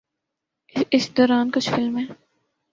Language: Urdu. اس دوران کچھ فلمیں